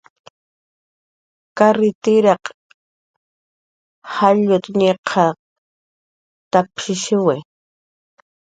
"Karritiraq jallut"" ñiqan waptishiwi"